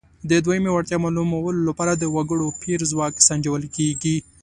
د دویمې وړتیا معلومولو لپاره د وګړو پېر ځواک سنجول کیږي.